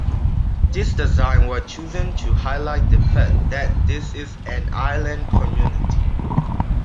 This design was chosen to highlight the fact that this is an island community.